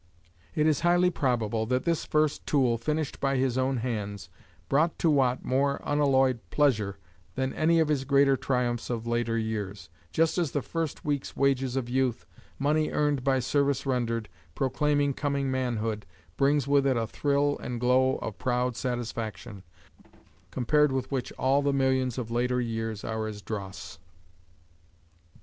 It is highly probable that this first tool finished by his own hands brought to Watt more unalloyed pleasure than any of his greater triumphs of later years, just as the first week's wages of youth, money earned by service rendered, proclaiming coming manhood, brings with it a thrill and glow of proud satisfaction, compared with which all the millions of later years are as dross.